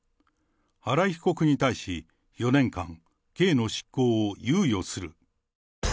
新井被告に対し、４年間、刑の執行を猶予する。